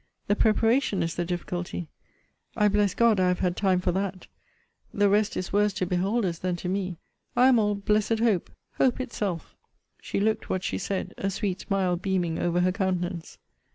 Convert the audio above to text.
The preparation is the difficulty I bless God, I have had time for that the rest is worse to beholders, than to me! I am all blessed hope hope itself. She looked what she said, a sweet smile beaming over her countenance.